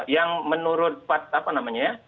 yang menurut apa namanya ya